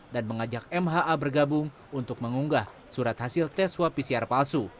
dan mengajak mha bergabung untuk mengunggah surat hasil tes swab pcr palsu